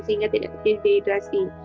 sehingga tidak terjadi dehidrasi